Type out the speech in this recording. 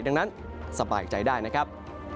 ดังนั้นสบายใจได้นะครับ